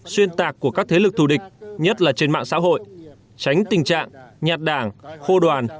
xuyên tạc của các thế lực thù địch nhất là trên mạng xã hội tránh tình trạng nhạt đảng khô đoàn